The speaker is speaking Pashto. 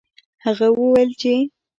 هغه وویل چې